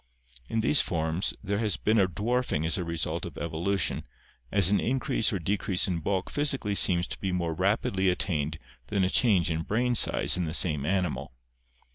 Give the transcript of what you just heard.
In these forms there has been a dwarfing as a result of evolution, as an in crease or decrease in bulk physically seems to be more rapidly at tained than a change in brain size in the same animal.